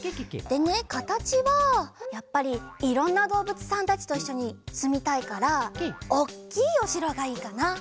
でねかたちはやっぱりいろんなどうぶつさんたちといっしょにすみたいからおっきいおしろがいいかな。